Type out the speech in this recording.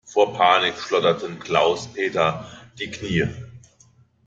Vor Panik schlotterten Klaus-Peter die Knie.